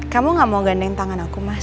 kamu gak mau gandeng tangan aku mas